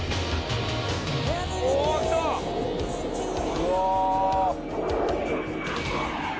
うわ！